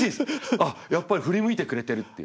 あっやっぱり振り向いてくれてるっていう。